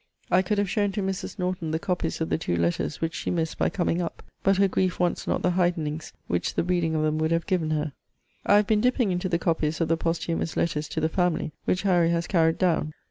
I could have shown to Mrs. Norton the copies of the two letters which she missed by coming up. But her grief wants not the heightenings which the reading of them would have given her. I have been dipping into the copies of the posthumous letters to the family, which Harry has carried down.